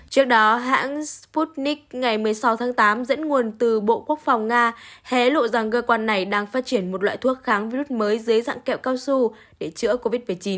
trước đó hãng sputnik ngày một mươi sáu tháng tám dẫn nguồn từ bộ quốc phòng nga hé lộ rằng cơ quan này đang phát triển một loại thuốc kháng virus mới dưới dạng kẹo cao su để chữa covid một mươi chín